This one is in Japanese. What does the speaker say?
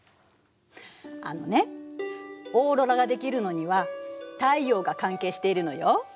あのねオーロラが出来るのには太陽が関係しているのよ。